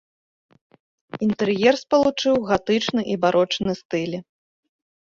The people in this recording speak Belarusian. Інтэр'ер спалучыў гатычны і барочны стылі.